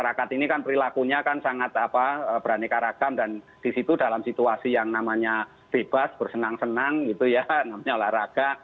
masyarakat ini kan perilakunya kan sangat beraneka ragam dan disitu dalam situasi yang namanya bebas bersenang senang gitu ya namanya olahraga